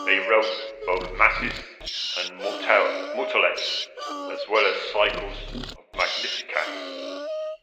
They wrote both masses and motets, as well as cycles of Magnificats.